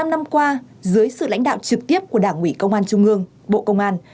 bảy mươi năm năm qua dưới sự lãnh đạo trực tiếp của đảng ủy công an trung ương bộ công an